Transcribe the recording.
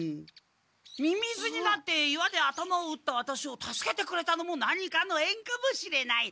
ミミズになって岩で頭を打ったワタシを助けてくれたのも何かのえんかもしれない。